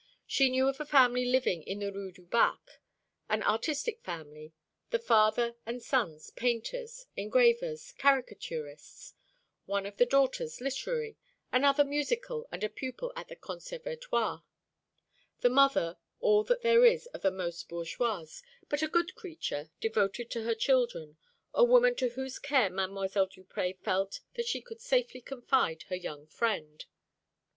She knew of a family living in the Rue du Bac, an artistic family, the father and sons painters, engravers, caricaturists; one of the daughters literary, another musical and a pupil at the Conservatoire; the mother all that there is of the most bourgeoise, but a good creature, devoted to her children a woman to whose care Mdlle. Duprez felt that she could safely confide her young friend.